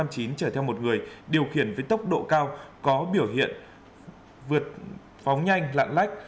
chở theo một người điều khiển với tốc độ cao có biểu hiện vượt phóng nhanh lạng lách